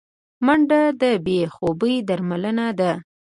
منډه د بې خوبي درملنه ده